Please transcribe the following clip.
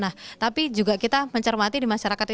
nah tapi juga kita mencermati di masyarakat